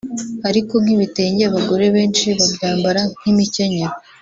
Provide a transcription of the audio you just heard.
Ariko nk'ibitenge abagore benshi babyambara nk'imikenyero